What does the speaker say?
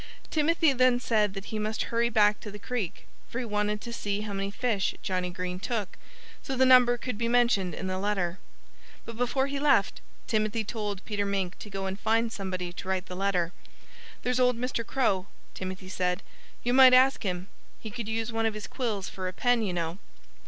Timothy then said that he must hurry back to the creek, for he wanted to see how many fish Johnnie Green took, so the number could be mentioned in the letter. But before he left Timothy told Peter Mink to go and find somebody to write the letter. "There's old Mr. Crow," Timothy said. "You might ask him. He could use one of his quills for a pen, you know."